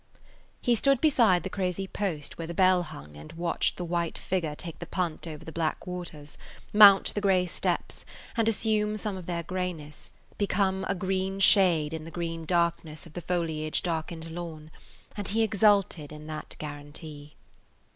He stood beside the crazy post where the bell hung and watched the white figure take the punt over the black waters, mount the gray steps, and assume some of their grayness, become a green shade in the green darkness of the foliage darkened lawn, and he exulted in that guarantee.